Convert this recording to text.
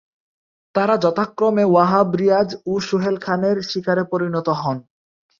তারা যথাক্রমে ওয়াহাব রিয়াজ ও সোহেল খানের শিকারে পরিণত হন।